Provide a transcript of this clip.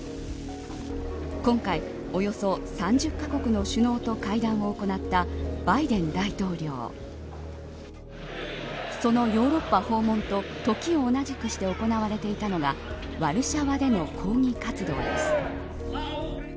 今回、およそ３０カ国の首脳と会談を行ったバイデン大統領そのヨーロッパ訪問と時を同じくして行われていたのがワルシャワでの抗議活動です。